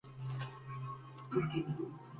Actualmente es el vice-capitán del equipo.